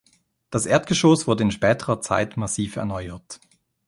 Das Erdgeschoss wurde in späterer Zeit massiv erneuert.